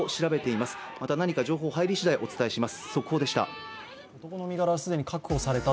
また何か情報が入り次第、お伝えします。